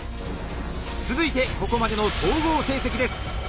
続いてここまでの総合成績です！